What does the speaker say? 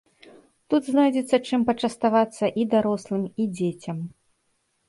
Тут знойдзецца, чым пачаставацца і дарослым, і дзецям.